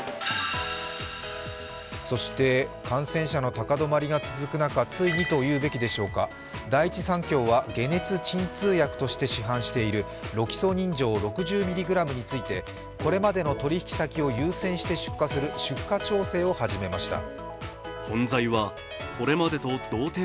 そして感染者の高止まりが続く中、ついにと言うべきでしょうか、第一三共は解熱鎮痛薬として市販しているロキソニン錠６０ｍｇについてこれまでの取引先を優先して出荷する出荷調整を始めました。